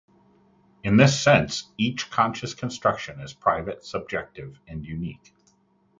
In this sense, each conscious construction is private, subjective, and unique.